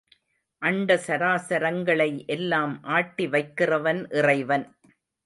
அண்ட சராசரங்களை எல்லாம் ஆட்டி வைக்கிறவன் இறைவன்.